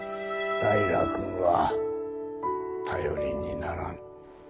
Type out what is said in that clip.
平君は頼りにならん。